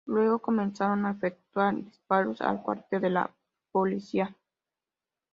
Luego comenzaron a efectuar disparos al cuartel de la policía.